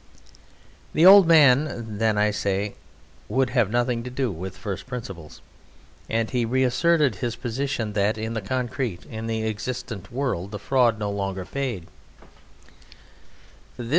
The old man, then, I say, would have nothing to do with first principles, and he reasserted his position that, in the concrete, in the existent world, The Fraud no longer paid.